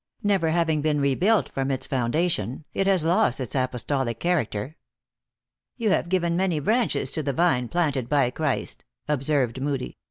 Never having been rebuilt from its foundation, it has lost its apostolic character." " You have given many branches to the vine planted by Christ," observed Moodie.